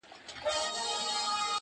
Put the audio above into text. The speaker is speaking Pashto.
o یو سړی وو خدای په ډېر څه نازولی,